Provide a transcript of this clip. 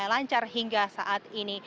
lancar hingga saat ini